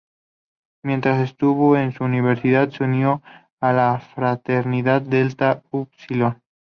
Mientras estuvo en esa universidad, se unió a la fraternidad Delta Upsilon.